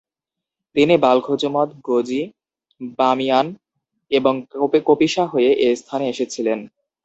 তিনি বালখজুমধ, গচি, বামিয়ান এবং কপিশা হয়ে এ স্থানে এসেছিলেন।